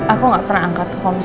aku jangan kayak gede